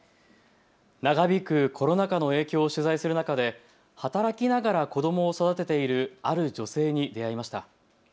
長引くコロナ禍の影響を取材する中で働きながら子どもを育てているある女性に出会いました。